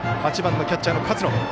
８番キャッチャーの勝野。